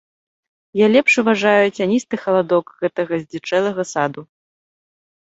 Я лепш уважаю цяністы халадок гэтага здзічэлага саду.